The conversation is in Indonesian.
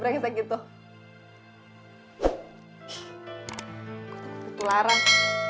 gue takut takut larang